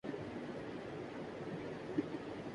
اے شہ عرب شہ انبیاء تیری سب صفات میں چاندنی